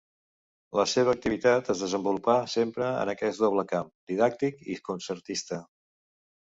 La seva activitat es desenvolupà sempre en aquest doble camp, didàctic i concertista.